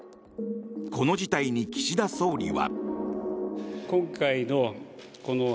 この事態に岸田総理は。